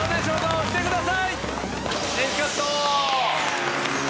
押してください。